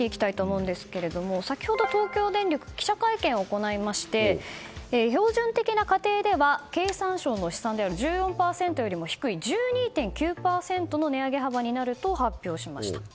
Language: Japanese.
先ほど東京電力記者会見を行いまして標準的な家庭では経産省の試算である１４％よりも低い１２．９％の値上げ幅になると発表しました。